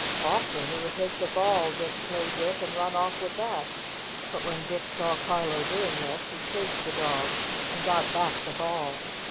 Often he would take the ball Dick played with and run off with that. But when Dick saw Carlo doing this he chased the dog and got back the ball.